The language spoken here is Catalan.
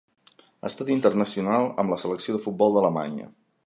Ha estat internacional amb la selecció de futbol d'Alemanya.